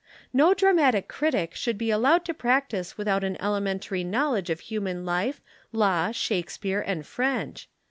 No dramatic critic should be allowed to practise without an elementary knowledge of human life, law, Shakespeare, and French.